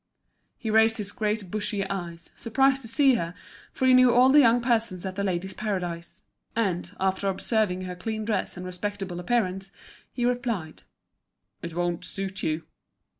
He raised his great bushy eyes, surprised to see her, for he knew all the young persons at The Ladies' Paradise. And, after observing her clean dress and respectable appearance, he replied: "It won't suit you."